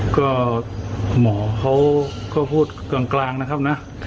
ก็หมอเขาก็พูดกลางนะครับนะ